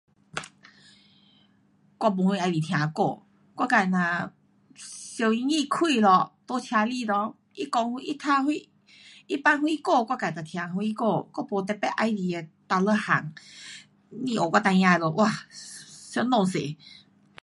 我没啥喜欢听歌。我自只收音机开了在车里内，它讲什，它问什，它放什歌，我自就听什歌，我没特别喜欢的哪一样，不像我孩儿他们，我，相当多。